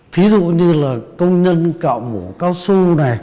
thí dụ như công nhân cạo mũ cao su